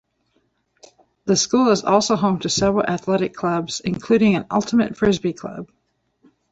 The school is also home to several athletic clubs, including an Ultimate Frisbee Club.